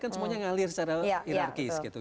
kan semuanya ngalir secara hirarkis gitu